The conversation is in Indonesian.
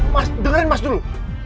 mas dengerin mas dulu